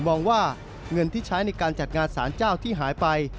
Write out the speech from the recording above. มองว่าเงินที่ใช้ในการจัดงานสารเจ้าที่หายไป